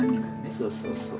そうそうそう。